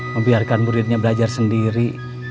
membiarkan muridnya belajar sendiri